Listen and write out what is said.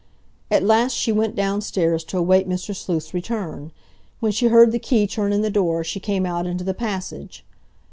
At last she went downstairs to await Mr. Sleuth's return. When she heard the key turn in the door, she came out into the passage.